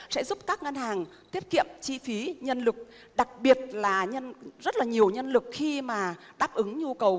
sẽ giúp các ngân hàng tiết kiệm chi phí nhân lực đặc biệt là rất là nhiều nhân lực khi mà đáp ứng nhu cầu